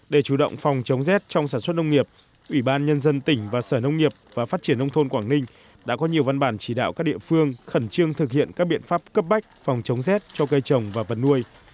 để chủ động phòng chống rét trong sản xuất nông nghiệp ủy ban nhân dân tỉnh và sở nông nghiệp và phát triển nông thôn quảng ninh đã có nhiều văn bản chỉ đạo các địa phương khẩn trương thực hiện các biện pháp cấp bách phòng chống rét cho cây trồng và vật nuôi